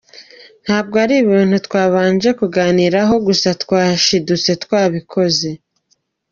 Ntabwo ari ibintu twabanje kuganiraho gusa twashidutse twabikoze.